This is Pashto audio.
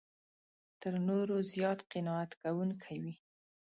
تر نورو زیات قناعت کوونکی وي.